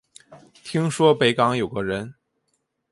听说北港有个人